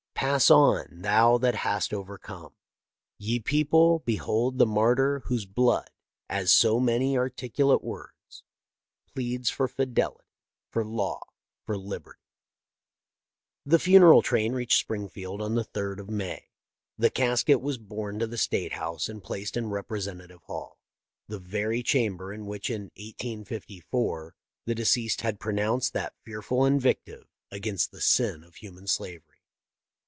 Pass on, thou that hast overcome. Ye people, behold the martyr whose blood, as so many articu late words, pleads for fidelity, for law, for liberty." The funeral train reached Springfield on the 3d of May. The casket was borne to the State House and placed in Representative Hall — the very cham ber in which in 1854 the deceased had pronounced that fearful invective against the sin of human THE LIFE OF LINCOLN. 573 slavery.